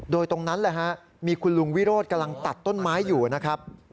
โดยตรงนั้นแหละฮะมีคุณลุงวิโรธกำลังตัดต้นไม้อยู่นะครับ